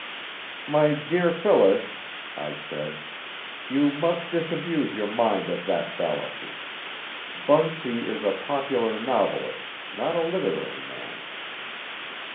"My dear Phyllis," I said, "you must disabuse your mind of that fallacy. Bunsey is a popular novelist, not a literary man."